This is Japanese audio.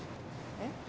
えっ？